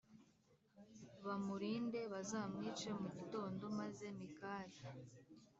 bamurinde bazamwice mu gitondo Maze Mikali